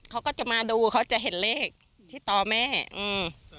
เขาก็จะมาดูเขาจะเห็นเลขที่ต่อแม่อืม